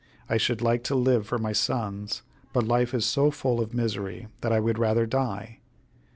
I should like to live for my sons, but life is so full of misery that I would rather die."